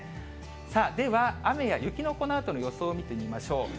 さあ、では雨や雪のこのあとの予想を見てみましょう。